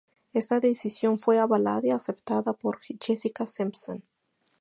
Esta decisión fue avalada y aceptada por Jessica Simpson.